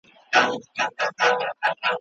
بوډا ویل په دې قلا کي به سازونه کېدل